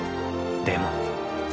でも。